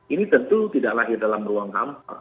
ini tentu tidak lahir dalam ruang kampanye